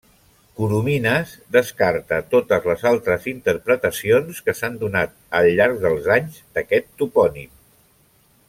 Coromines descarta totes les altres interpretacions que s'han donat al llarg dels anys d'aquest topònim.